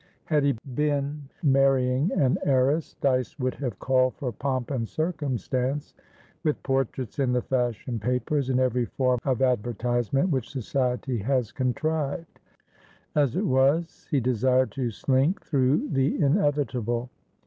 Had he been marrying an heiress, Dyce would have called for pomp and circumstance, with portraits in the fashion papers, and every form of advertisement which society has contrived. As it was, he desired to slink through the inevitable.